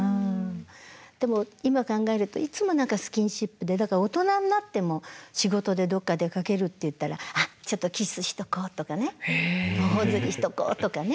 でも今考えるといつも何かスキンシップでだから大人になっても仕事でどっか出かけるっていったらあっちょっとキスしとこうとかね頬ずりしとこうとかね。